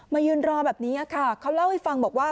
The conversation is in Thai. ยืนรอแบบนี้ค่ะเขาเล่าให้ฟังบอกว่า